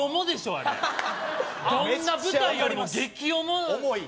あれどんな舞台よりも激重重い